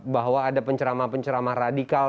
bahwa ada pencerama penceramah radikal